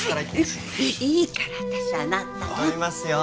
いいから私あなたも撮りますよ